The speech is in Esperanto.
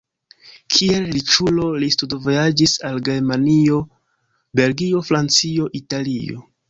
Kiel riĉulo li studvojaĝis al Germanio, Belgio, Francio, Italio.